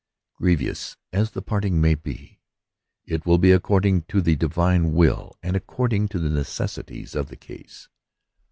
Grievous as the parting may be, it will be according to the divine will and according to the necessities of the case.